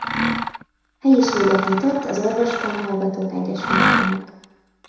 Helyiséget nyitott az orvostanhallgatók egyesületének.